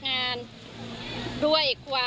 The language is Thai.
สาโชค